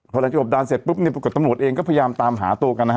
พอหลังจากกบด่านเสร็จปุ๊บปุ๊บตำรวจเองก็พยายามตามหาโตกัน